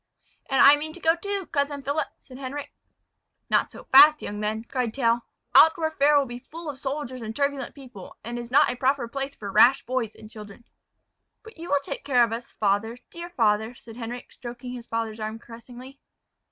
"And I mean to go too, cousin Philip," said Henric. "Not so fast, young men," cried Tell. "Altdorf fair will be full of soldiers and turbulent people, and is not a proper place for rash boys and children." "But you will take care of us, father, dear father," said Henric, stroking his father's arm caressingly.